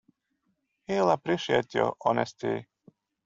He'll appreciate your honesty.